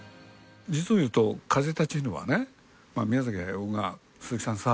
実をいうと『風立ちぬ』はね宮崎駿が「鈴木さんさ」